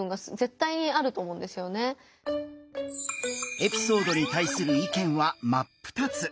エピソードに対する意見は真っ二つ！